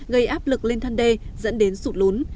gây áp lực lên thân đê dẫn đến sụt lún